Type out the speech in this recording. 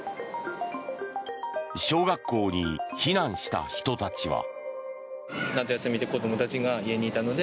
小学校に避難した人たちは。